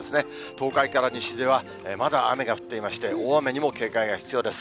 東海から西ではまだ雨が降っていまして、大雨にも警戒が必要です。